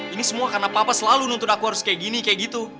ini semua karena papa selalu nuntun aku harus kayak gini kayak gitu